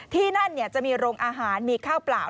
ที่นั่นจะมีโรงอาหารมีข้าวเปล่า